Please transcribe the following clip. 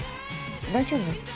大丈夫？